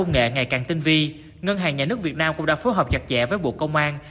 công nghệ ngày càng tinh vi ngân hàng nhà nước việt nam cũng đã phối hợp chặt chẽ với bộ công an